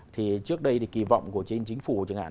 thì trước đây thì kỳ vọng của chính chính phủ chẳng hạn